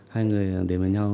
hai người đến với nhau